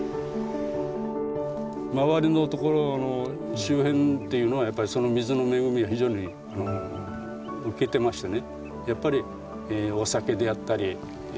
周りのところの周辺っていうのはその水の恵みを非常に受けてましてね